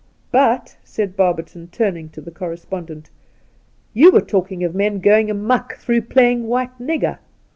But,' said Barberton, turning to the correspondent, 'you were talking of men going amok through playing white nigger.